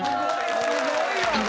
すごいわ！